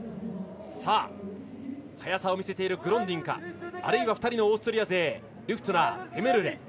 速さを見せているグロンディンかあるいは２人のオーストリア勢ルフトゥナー、ヘメルレ。